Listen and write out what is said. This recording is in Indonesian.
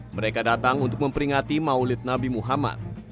mereka datang untuk memperingati maulid nabi muhammad